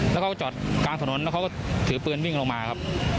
แล้วเขาก็จอดกลางถนนแล้วเขาก็ถือปืนวิ่งลงมาครับ